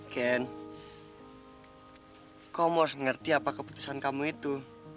ken kamu harus mengerti apa keputusan kamu itu